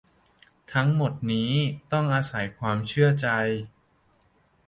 ทั้งหมดนี้ต้องอาศัยความเชื่อใจ